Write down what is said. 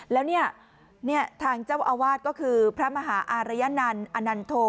แล้วเนี่ยทางเจ้าอาวาสก็คือพระมหาอารยนันต์อนันโท